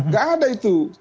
gak ada itu